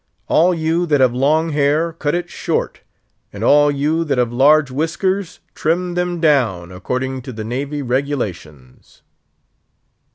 All you that have long hair, cut it short; and all you that have large whiskers, trim them down, according to the Navy regulations."